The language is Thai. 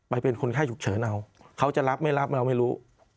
เป็นคนไข้ฉุกเฉินเอาเขาจะรับไม่รับเราไม่รู้